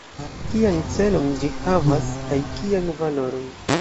Kian celon ĝi havas, kaj kian valoron?